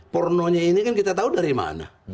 pornonya ini kan kita tahu dari mana